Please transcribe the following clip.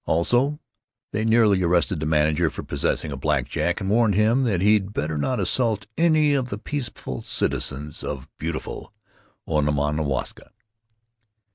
Also, they nearly arrested the manager for possessing a black jack, and warned him that he'd better not assault any of the peaceable citizens of beautiful Onamwaska....